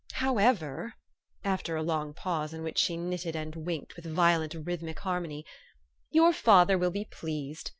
However," after a long pause, in which she' knitted and winked with violent rhythmic harmony, '' your father will be pleased.